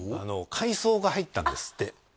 改装が入ったんですって